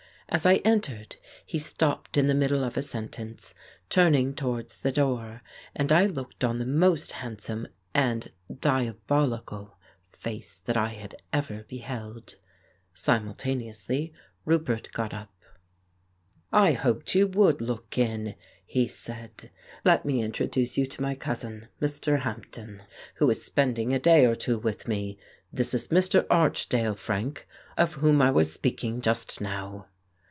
As I entered, he stopped in the middle of a sentence, turning towards the door, and I looked on the most handsome and diabolical face that I had ever beheld. Simultaneously Roupert got up. M5 The Case of Frank Hampden "I hoped you would look in," he said. "Let me introduce to you my cousin, Mr. Hampden, who is spending a day or two with me. This is Mr. Arch dale, Frank, of whom I was speaking just now."